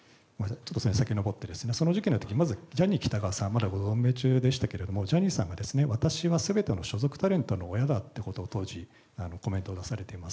その時期のとき、まずジャニー喜多川さんはまだご存命中でしたけれども、ジャニーさんが私はすべての所属タレントの親だということを当時、コメントを出されています。